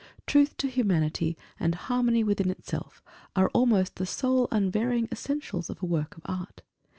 Truth to Humanity, and harmony within itself, are almost the sole unvarying essentials of a work of art.